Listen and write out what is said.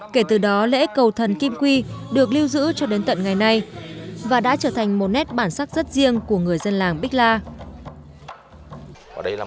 kể từ đó lễ cầu thần kim quy được lưu giữ cho đến tận ngày nay và đã trở thành một nét bản sắc rất riêng của người dân làng bích la